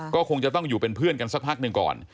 ก็คงจะต้องอยู่เป็นเพื่อนกันสักพักหนึ่งก่อน